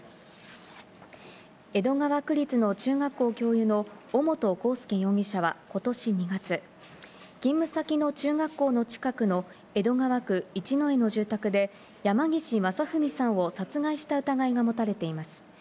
江戸川区立の中学校教諭の尾本幸祐容疑者は今年２月、勤務先の中学校の近くの江戸川区一之江の住宅で、山岸正文さんを殺害した疑いが持たれています。